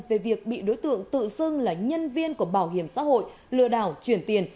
về việc bị đối tượng tự xưng là nhân viên của bảo hiểm xã hội lừa đảo chuyển tiền